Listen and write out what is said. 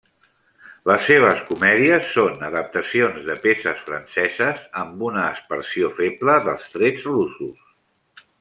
Les seves comèdies són adaptacions de peces franceses, amb una aspersió feble dels trets russos.